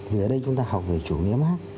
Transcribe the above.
vì ở đây chúng ta học về chủ nghĩa mark